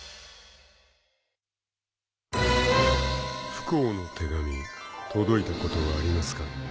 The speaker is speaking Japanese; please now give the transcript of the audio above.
［不幸の手紙届いたことはありますか？］